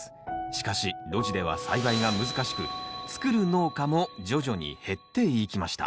しかし露地では栽培が難しく作る農家も徐々に減っていきました。